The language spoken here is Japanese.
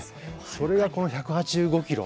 それが１８５キロ。